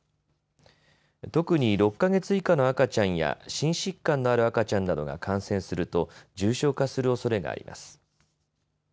特に６か月以下の赤ちゃんや心疾患のある赤ちゃんなどが感染すると重症化するおそれがあります。